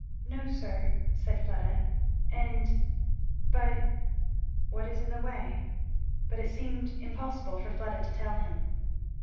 "No sir," said Fleda, "and but " "What is in the way?" But it seemed impossible for Fleda to tell him.